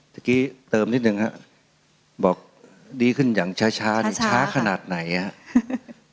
เมื่อกี้เติมนิดหนึ่งฮะบอกดีขึ้นอย่างช้าช้าช้าขนาดไหนฮะ